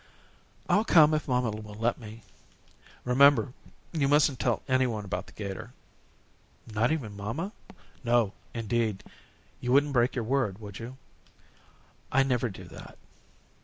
"I'll come if mamma will let me." "Remember, you mustn't tell any one about the 'gator." "Not even mamma?" "No, indeed. You wouldn't break your word, would you?" "I never do that."